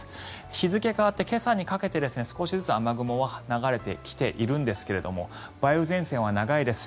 日付が変わって今朝にかけて少しずつ雨雲は流れてきているんですけれども梅雨前線は長いです。